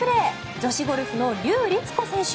女子ゴルフの笠りつ子選手。